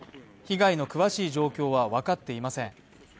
被害の詳しい状況は分かっていません。